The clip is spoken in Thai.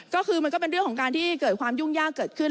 ก็คือมันก็เป็นเรื่องของการที่เกิดความยุ่งยากเกิดขึ้น